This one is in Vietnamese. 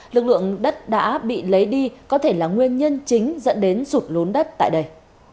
lực lượng đất đã bị lấy đi có thể là nguyên nhân chính dẫn đến sụt lún đất tại đây